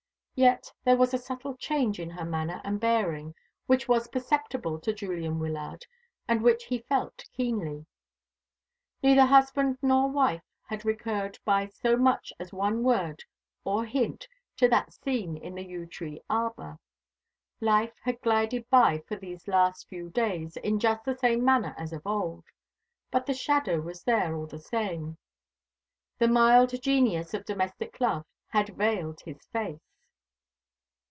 Yet there was a subtle change in her manner and bearing which was perceptible to Julian Wyllard, and which he felt keenly. Neither husband nor wife had recurred by so much as one word or hint to that scene in the yew tree arbour. Life had glided by for these last few days in just the same manner as of old; but the shadow was there all the same. The mild genius of domestic love had veiled his face.